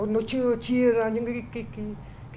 nó chưa chia ra những cái